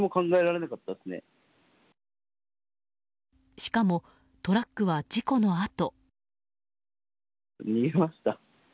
しかもトラックは事故のあと。